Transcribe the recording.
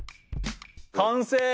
完成。